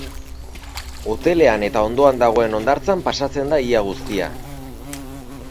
Hotelean eta ondoan dagoen hondartzan pasatzen da ia guztia.